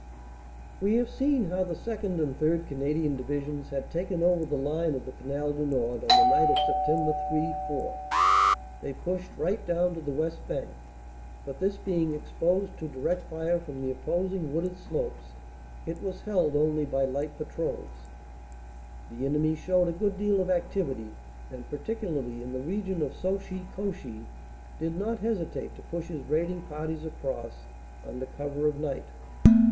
We have seen how the 2nd. and 3rd. Canadian Divisions had taken over the line of the Canal du Nord on the night of Sept. 3 4. They pushed right down to the west bank, but this 192 CANADA S HUNDRED DAYS being exposed to direct fire from the opposing wooded slopes, it was held only by light patrols. The enemy showed a good deal of activity and particularly in the region of Sauchy Cauchy did not hesitate to push his raiding parties across under cover of night.